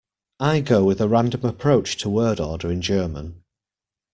I go with a random approach to word order in German.